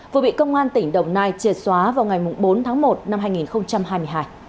vừa bị công an tỉnh đồng nai triệt xóa vào ngày bốn tháng một năm hai nghìn hai mươi hai